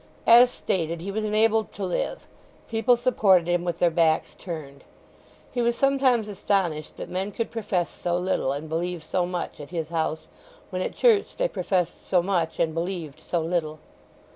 As stated, he was enabled to live; people supported him with their backs turned. He was sometimes astonished that men could profess so little and believe so much at his house, when at church they professed so much and believed so little.